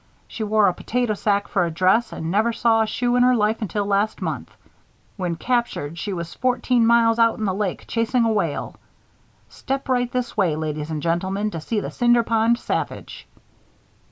She wore a potato sack for a dress and never saw a shoe in her life until last month. When captured, she was fourteen miles out in the lake chasing a whale. Step right this way, ladies and gentlemen, to see the Cinder Pond Savage."